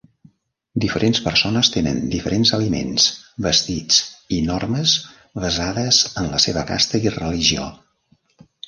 Diferents persones tenen diferents aliments, vestits i normes basades en la seva casta i religió.